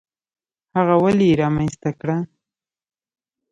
هغه ولې یې رامنځته کړه؟